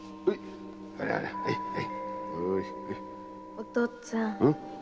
お父っつぁん。